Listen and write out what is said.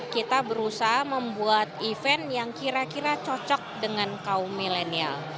kita berusaha membuat event yang kira kira cocok dengan kaum milenial